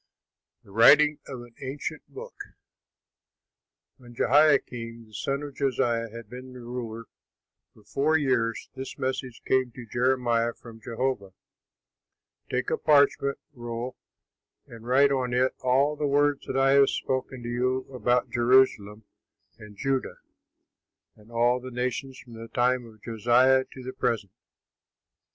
THE WRITING OF AN ANCIENT BOOK When Jehoiakim, the son of Josiah, had been ruler for four years, this message came to Jeremiah from Jehovah, "Take a parchment roll and write on it all the words that I have spoken to you about Jerusalem and Judah and all the nations from the time of Josiah to the present.